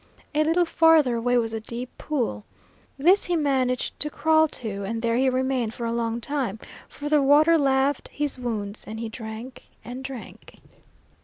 A little farther away was a deep pool. This he managed to crawl to, and there he remained for a long time, for the water laved his wounds, and he drank and drank.